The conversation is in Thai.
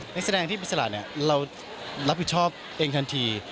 นักแสดงที่บริษัทเรารับผิดชอบเองทันที